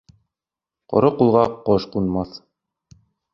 Ҡоро ҡулға ҡош ҡунмаҫ.